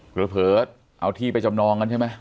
เผลอเอาที่ไปจำนองกันใช่ไหม